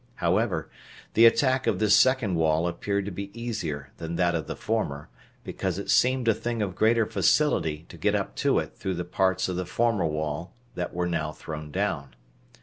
However, the attack of this second wall appeared to be easier than that of the former, because it seemed a thing of greater facility to get up to it through the parts of the former wall that were now thrown down.